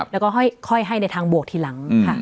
แล้วก็ค่อยให้ในทางบวกทีหลังค่ะ